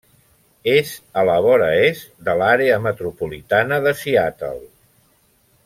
És a la vora est de l'àrea metropolitana de Seattle.